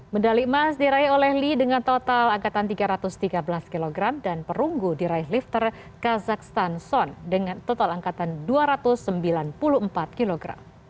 medali emas diraih oleh lee dengan total angkatan tiga ratus tiga belas kg dan perunggu diraih lifter kazakhstanson dengan total angkatan dua ratus sembilan puluh empat kg